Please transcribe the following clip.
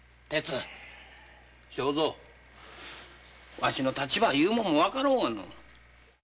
わしの立場いうのも分かろうがの。